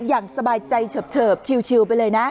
อย่างสบายใจเฉิบชิวไปเลยนะ